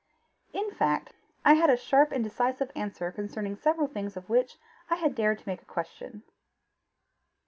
In fact I had a sharp and decisive answer concerning several things of which I had dared to make a question."